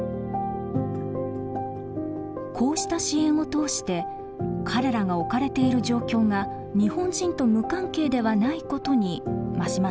こうした支援を通して彼らが置かれている状況が日本人と無関係ではないことに馬島さんは気付きます。